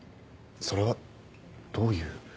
それはどういう？